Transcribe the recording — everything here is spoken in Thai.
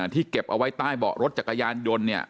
เก็บเอาไว้ใต้เบาะรถจักรยานยนต์เนี่ย